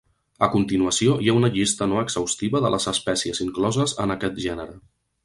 A continuació hi ha una llista no exhaustiva de les espècies incloses en aquest gènere.